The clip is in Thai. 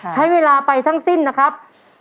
ใช้เวลาไปทั้งสิ้นนะครับ